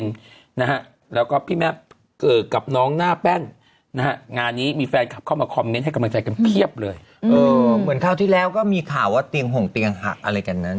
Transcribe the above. นะคะแล้วก็พี่น้ำเกิดกลับน้องหน้าแป้นหน้านี้มีแฟนมาคำมาให้กำลังใจกันเพียบเลยเหมือนคราวที่แล้วก็มีข่าวว่าติวห่มแต่งหักอะไรกัน